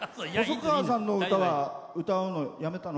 細川さんの歌は歌うのやめたの？